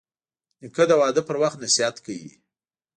نیکه د واده پر وخت نصیحت کوي.